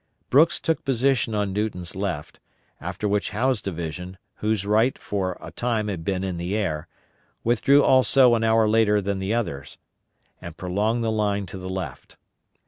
Brooks took position on Newton's left, after which Howe's division, whose right flank for a time had been "in the air," withdrew also an hour later than the others, and prolonged the line to the left.